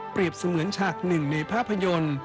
เสมือนฉากหนึ่งในภาพยนตร์